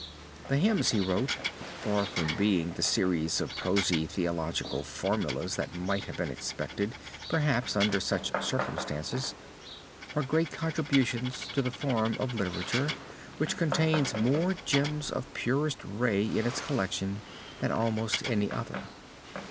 The hymns he wrote, far from being the series of prosy theological formulas that might have been expected perhaps under such circumstances, are great contributions to a form of literature which contains more gems of purest ray in its collection than almost any other.